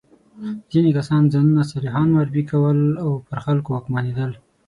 ځینې کسان ځانونه صالحان معرفي کول او پر خلکو واکمنېدل.